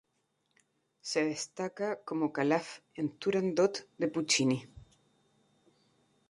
Se destaca como Calaf en Turandot de Puccini.